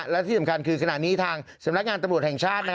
และที่สำคัญคือขณะนี้ทางสำนักงานตำรวจแห่งชาติ